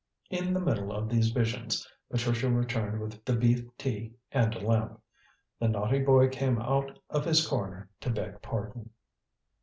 In the middle of these visions, Patricia returned with the beef tea and a lamp. The naughty boy came out of his corner to beg pardon.